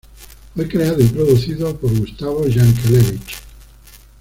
Fue creado y producido por Gustavo Yankelevich.